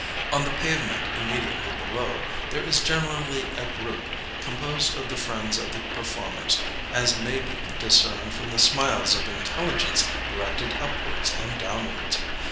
On the pavement immediately below, there is generally a group, composed of the friends of the performers, as may be discerned from the smiles of intelligence directed upwards and downwards.